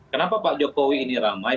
kenapa pak jokowi ini ramai